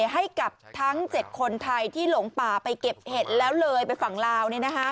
ให้กับทั้ง๗คนไทยที่หลงป่าไปเก็บเห็ดแล้วเลยไปฝั่งลาว